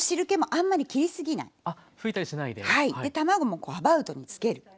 で卵もこうアバウトにつける。